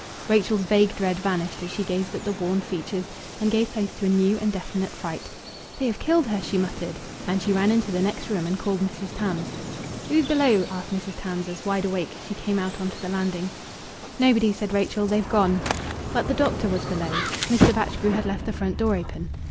Rachel's vague dread vanished as she gazed at the worn features, and gave place to a new and definite fright. "They have killed her!" she muttered. And she ran into the next room and called Mrs. Tams. "Who's below?" asked Mrs. Tarns, as, wide awake, she came out on to the landing. "Nobody," said Rachel. "They've gone." But the doctor was below. Mr. Batchgrew had left the front door open.